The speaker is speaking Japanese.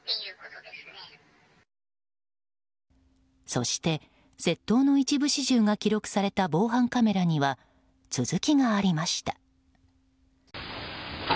そして窃盗の一部始終が記録された防犯カメラには続きがありました。